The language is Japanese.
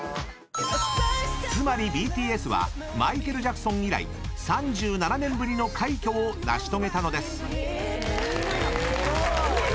［つまりＢＴＳはマイケル・ジャクソン以来３７年ぶりの快挙を成し遂げたのです］